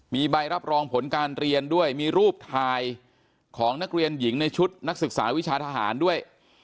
มีใบรับรองผลการเรียนด้วยมีรูปถ่ายของนักเรียนหญิงในชุดนักศึกษาวิชาทหารด้วย